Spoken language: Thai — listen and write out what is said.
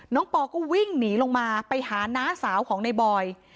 ปอก็วิ่งหนีลงมาไปหาน้าสาวของในบอย